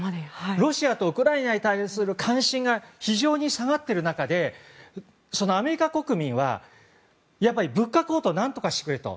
ロシアとウクライナに対する関心が非常に下がっている中でそのアメリカ国民は物価高騰を何とかしてくれと。